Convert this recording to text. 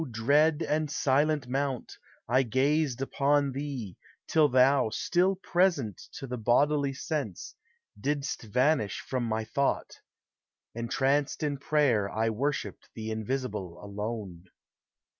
dread and silent Mount ! I gazed upon thee, Till thou, still present to the bodily sense. Didst vanish from my thought. Entranced in prayer 1 worshipped the Invisible alone.